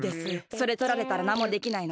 それとられたらなんもできないので。